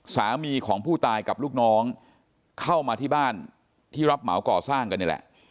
สามีของผู้ตายกับลูกน้องเข้ามาที่บ้านที่รับเหมาก่อสร้างกันนี่แหละ